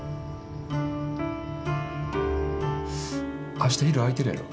明日昼空いてるやろ？